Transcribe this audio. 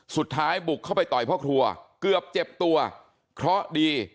สุดท้ายบุกเข้าไปต่อยพ่อครัวเกือบเจ็บตัวเคราะห์ดี